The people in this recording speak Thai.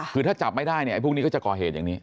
คือถ้าจับไม่ได้เนี่ยไอ้พวกนี้ก็จะก่อเหตุอย่างนี้